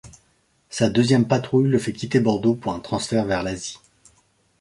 Sa deuxième patrouille le fait quitter Bordeaux pour un transfert vers l'Asie.